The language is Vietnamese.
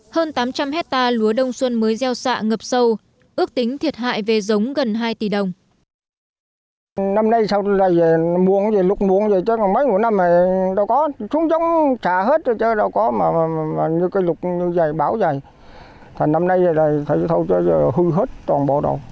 hơn tám trăm linh hectare lúa đông xuân mới gieo xạ ngập sâu ước tính thiệt hại về giống gần hai tỷ đồng